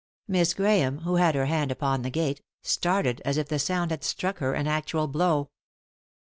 Miss Grahame, who had her hand upon the gate, started as if the sound had struck her an actual blow.